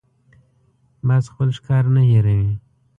باز خپل ښکار نه هېروي